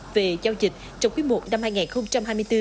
về giao dịch trong quý i năm hai nghìn hai mươi bốn